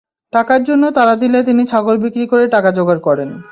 টাকার জন্য তাড়া দিলে তিনি ছাগল বিক্রি করে টাকা জোগাড় করেন।